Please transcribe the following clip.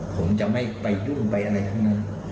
ผมจะไม่ไปยุ่งไปอะไรทั้งนั้น